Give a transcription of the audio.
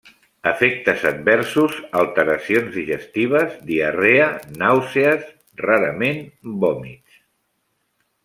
Efectes adversos: alteracions digestives: diarrea, nàusees, rarament vòmits.